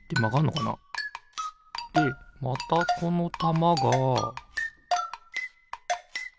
でまたこのたまがピッ！